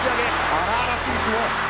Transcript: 荒々しい相撲！